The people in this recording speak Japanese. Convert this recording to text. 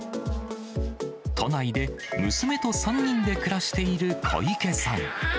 都内で娘と３人で暮らしている小池さん。